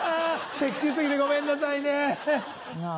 セクシー過ぎてごめんなさいね。なぁ。